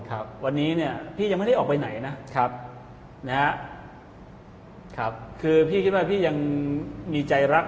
ครับวันนี้เนี่ยพี่ยังไม่ได้ออกไปไหนนะครับนะฮะครับคือพี่คิดว่าพี่ยังมีใจรัก